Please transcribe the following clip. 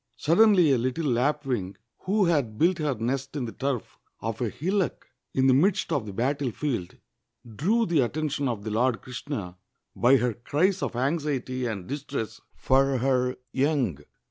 Suddenly a little lapwing, who had built her nest in the turf of a hillock in the midst of the battlefield, drew the attention of the Lord Krishna by her cries of anxiety and distress for her young.